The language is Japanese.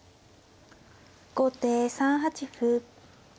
後手３八歩。